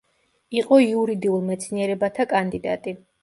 იყო იურიდიულ მეცნიერებათა კანდიდატი.